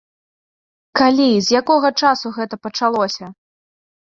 Калі, з якога часу гэта пачалося?